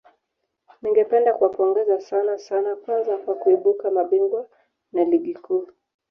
Ningependa kuwapongeza sana sana kwanza kwa kuibuka mabingwa na ligi kuu